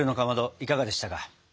いかがでしたか？